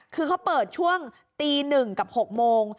คือเขาเปิดช่วงตีหนึ่งกับหกโมง